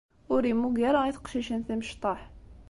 Ur immug ara i teqcicin timecṭaḥ.